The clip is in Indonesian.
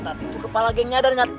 tadi tuh kepala gengnya adar nat